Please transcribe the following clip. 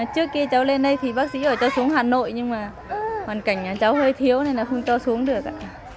trước kia cháu lên đây thì bác sĩ ở cho xuống hà nội nhưng mà hoàn cảnh nhà cháu hơi thiếu nên là không cho xuống được ạ